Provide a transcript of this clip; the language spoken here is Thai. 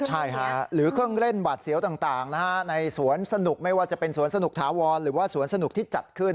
ใช่ค่ะหรือเครื่องเล่นหวาดเสียวต่างในสวนสนุกไม่ว่าจะเป็นสวนสนุกถาวรหรือว่าสวนสนุกที่จัดขึ้น